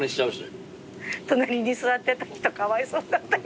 隣に座ってた人かわいそうだったよ。